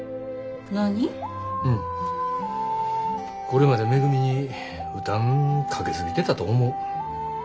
これまでめぐみに負担かけ過ぎてたと思う。